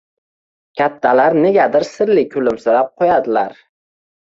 Kattalar negadir sirli kulimsirab qo‘yadilar…